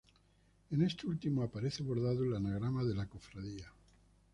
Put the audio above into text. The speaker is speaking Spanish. En este último aparece bordado el anagrama de la Cofradía.